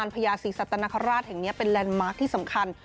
พญาศรีสัตนคราชแห่งนี้เป็นแลนดมาร์คที่สำคัญ